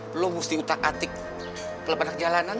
hai lo musti utak atik kelab anak jalanan